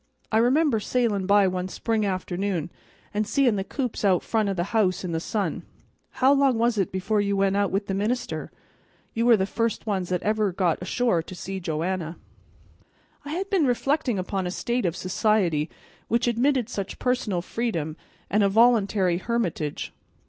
I remember sailin' by one spring afternoon, an' seein' the coops out front o' the house in the sun. How long was it before you went out with the minister? You were the first ones that ever really got ashore to see Joanna." I had been reflecting upon a state of society which admitted such personal freedom and a voluntary hermitage.